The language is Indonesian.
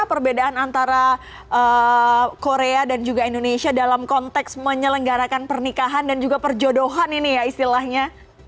perbedaan antara korea dan juga indonesia dalam konteks menyelenggarakan pernikahan dan juga perjodohan ini ya istilahnya